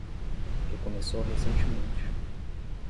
Recomeçou recentemente